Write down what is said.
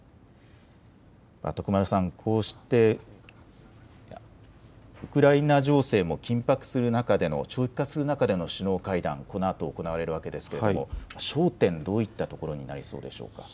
徳丸さん、ウクライナ情勢も緊迫する中、長期化する中での首脳会談、このあと行われるわけですが焦点、どういったところになりそうでしょうか。